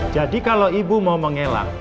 jadi kalau ibu mau mengelak